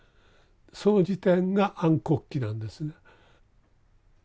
その時点が「暗黒期」なんですね。